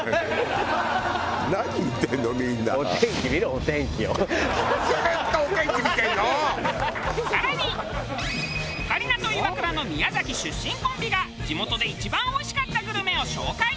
オカリナとイワクラの宮崎出身コンビが地元で一番おいしかったグルメを紹介！